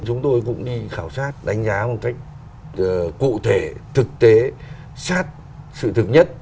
chúng tôi cũng đi khảo sát đánh giá một cách cụ thể thực tế sát sự thực nhất